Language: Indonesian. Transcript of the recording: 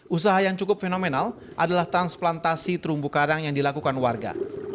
usaha yang cukup fenomenal adalah transplantasi terumbu karang yang dilakukan warga